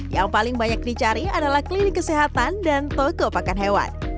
yang paling banyak dicari adalah klinik kesehatan dan toko pakan hewan